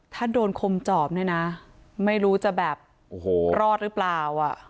ถ้าโดนคมจอบในนะไม่รู้จะแบบรอดหรือเปลล่า